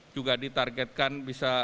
juga ditargetkan bisa